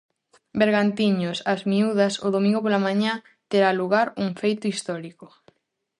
Bergantiños - As Miúdas o domingo pola mañá terá lugar un feito histórico.